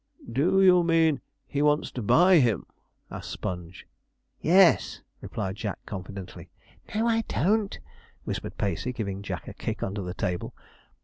'Do you mean he wants to buy him?' asked Sponge. 'Yes,' replied Jack confidently. 'No, I don't,' whispered Pacey, giving Jack a kick under the table.